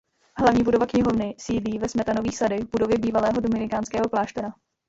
Hlavní budova knihovny sídlí ve Smetanových sadech v budově bývalého dominikánského kláštera.